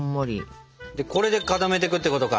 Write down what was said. でこれで固めていくってことか！